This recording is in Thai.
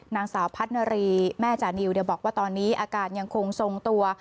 นางสาวพัฒนารีแม่จานิวบอกว่าตอนนี้อาการยังคงทรงตัว